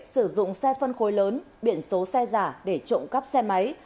sử dụng xe phân khối lớn biển số xe giả để trộm cắp xe máy